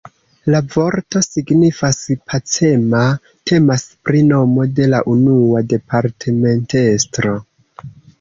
La vorto signifas pacema, temas pri nomo de la unua departementestro.